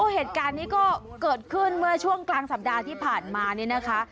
เหตุการณ์นี้ก็เกิดขึ้นเมื่อช่วงกลางสัปดาห์ที่ผ่านมานี่นะคะ